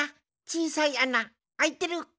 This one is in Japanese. ちいさいあなあいてる。